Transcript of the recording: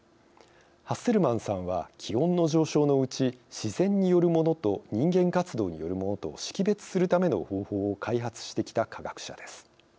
ハッセルマンさんは気温の上昇のうち自然によるものと人間活動によるものとを識別するための方法を開発してきた科学者です。